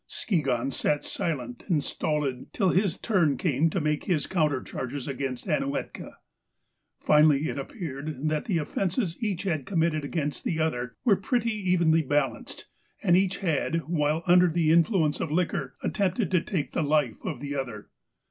" Skigahn sat silent and stolid till his turn came to make his counter charges against Ainuetka. " Finally, it appeared, that the offences each had committed against the other were pretty evenly balanced, and each had, while under the influence of liquor, attempted to take the life of the other.